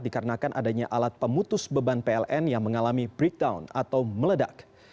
dikarenakan adanya alat pemutus beban pln yang mengalami breakdown atau meledak